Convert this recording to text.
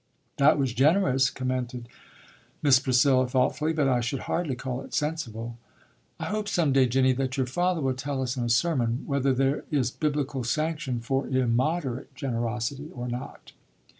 "That was generous," commented Miss Priscilla thoughtfully, "but I should hardly call it sensible. I hope some day, Jinny, that your father will tell us in a sermon whether there is biblical sanction for immoderate generosity or not."